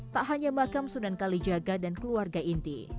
tak hanya makam sunan kali jaga dan keluarga inti